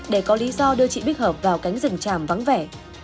để có lý do đưa chị bích hợp vào cánh rừng tràm vắng vẻ